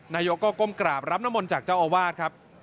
นายกก็ก้มกราบรับนมลจากเจ้าอาวาสครับ